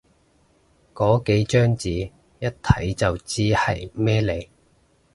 個幾張紙，一睇就知係咩嚟